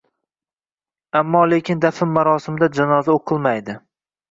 Ammo-lekin dafn marosimida janoza o‘qilmaydi.